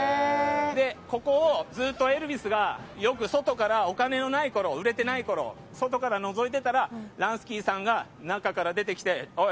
ここをずっとエルヴィスが外から、お金がないころ売れてないころ外からのぞいてたらランスキーさんが中から出てきておい